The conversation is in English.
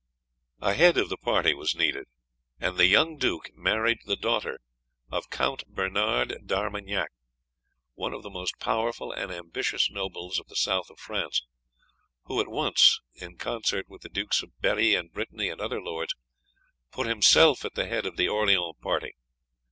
"A head of the party was needed, and the young duke married the daughter of Count Bernard d'Armagnac, one of the most powerful and ambitious nobles of the south of France, who at once, in concert with the Dukes of Berri and Brittany and other lords, put himself at the head of the Orleans party.